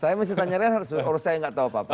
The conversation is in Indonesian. saya mesti tanyain urusan yang nggak tahu pak